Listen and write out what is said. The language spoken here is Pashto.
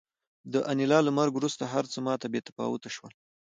د انیلا له مرګ وروسته هرڅه ماته بې تفاوته شول